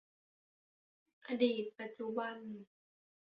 อดีตปัจจุบัน